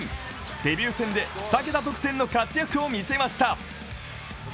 デビュー戦で２桁得点の活躍を見せました。